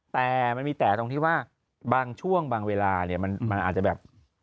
แต่มันมีแต่ตรงที่ว่าบางช่วงบางเวลาเนี่ยมันอาจจะแบบ